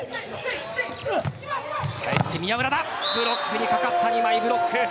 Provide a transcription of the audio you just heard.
ブロックに掛かった２枚ブロック。